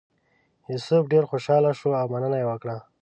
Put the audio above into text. یوسف ډېر خوشاله شو او مننه یې وکړه.